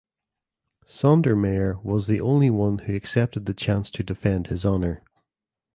Sondermajer was the only one who accepted the chance to defend his honour.